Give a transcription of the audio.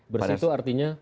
bersih itu artinya